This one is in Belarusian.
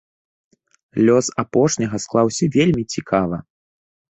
Лёс апошняга склаўся вельмі цікава.